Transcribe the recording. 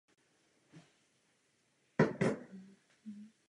Smečky se spojily.